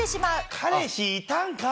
彼氏いたんかい！